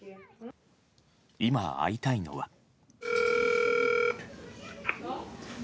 今、会いたいのは。